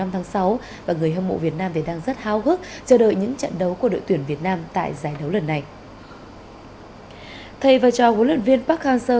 thầy và trò huấn luyện viên park hang seo